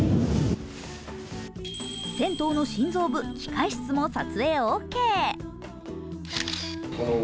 銭湯の心臓部、機械室も撮影オーケー。